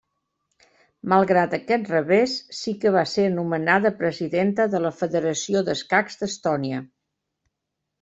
Malgrat aquest revés sí que va ser nomenada, presidenta de la Federació d'escacs d'Estònia.